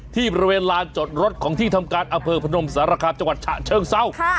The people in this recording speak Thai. ที่บริเวณลานจอดรถของที่ทำการอำเภอพนมสารคามจังหวัดฉะเชิงเศร้า